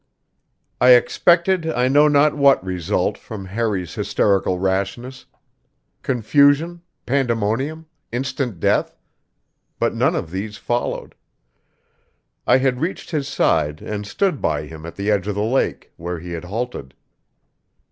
I expected I know not what result from Harry's hysterical rashness: confusion, pandemonium, instant death; but none of these followed. I had reached his side and stood by him at the edge of the lake, where he had halted.